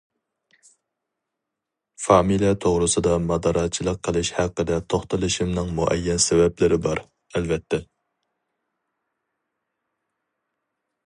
فامىلە توغرىسىدا ماداراچىلىق قىلىش ھەققىدە توختىلىشىمنىڭ مۇئەييەن سەۋەبلىرى بار، ئەلۋەتتە.